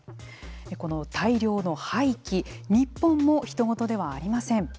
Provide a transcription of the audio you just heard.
この大量の廃棄日本も、ひと事ではありません。